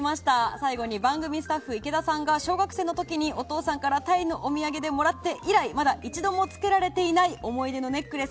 最後に番組スタッフ池田さんが小学生の時にお父さんからタイのお土産でもらって以来まだ一度も着けられていない思い出のネックレス。